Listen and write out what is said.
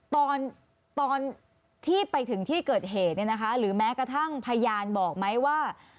ตอนที่ไปถึงที่เกิดเหตุเนี่ยนะคะหรือแม้กระทั่งพยานบอกไหมว่า